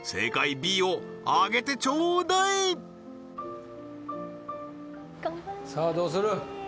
Ｂを挙げてちょうだい頑張れさあどうする？